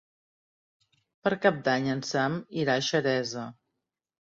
Per Cap d'Any en Sam irà a Xeresa.